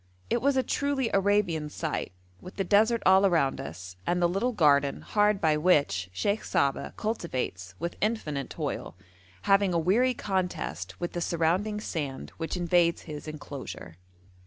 It was a truly Arabian sight, with the desert all around us, and the little garden hard by which Sheikh Saba cultivates with infinite toil, having a weary contest with the surrounding sand which invades his enclosure.